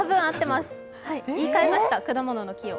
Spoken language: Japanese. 言い換えました、果物の木を。